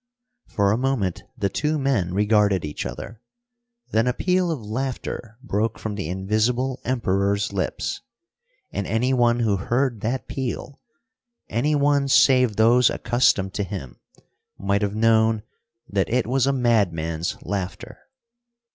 For a moment the two men regarded each other. Then a peal of laughter broke from the Invisible Emperor's lips. And any one who heard that peal any one save those accustomed to him might have known that it was a madman's laughter.